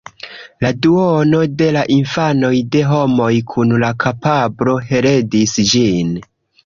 La duono de la infanoj de homoj kun la kapablo heredis ĝin.